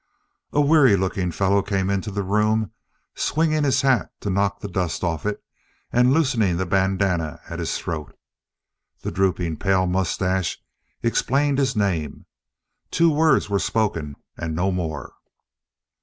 A weary looking fellow came into the room, swinging his hat to knock the dust off it, and loosening the bandanna at his throat. The drooping, pale mustache explained his name. Two words were spoken, and no more.